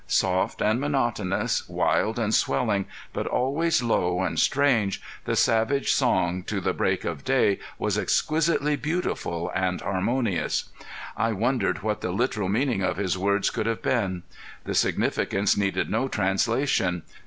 Soft and monotonous, wild and swelling, but always low and strange, the savage song to the break of day was exquisitely beautiful and harmonious. I wondered what the literal meaning of his words could have been. The significance needed no translation.